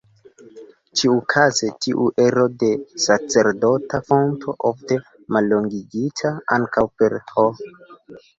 Ĉiukaze, tiu ero de sacerdota fonto, ofte mallongigita ankaŭ per "H".